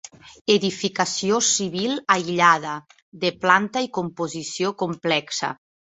Edificació civil aïllada, de planta i composició complexa.